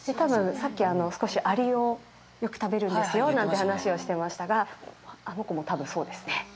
さっき少しアリをよく食べるんですよなんて話をしてましたがあの子も多分そうですね。